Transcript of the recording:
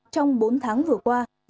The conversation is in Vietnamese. trong bốn tháng vừa qua